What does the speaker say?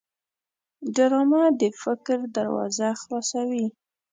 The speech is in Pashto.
ډرامه د فکر دروازه خلاصوي